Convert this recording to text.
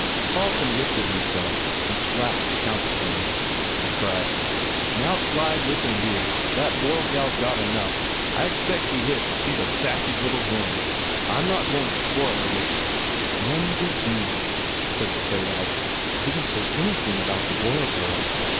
Carlson lifted himself and slapped the counter pane. He cried, "Now, Clyde, listen here! That Boyle gal s got enough. I expect she hit but she s a sassy little hen. I m not goin to spoil her with " "Norn de dieu," said the playwright, "I didn t say anything about the Boyle girl.